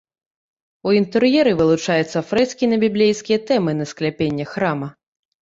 У інтэр'еры вылучаюцца фрэскі на біблейскія тэмы на скляпеннях храма.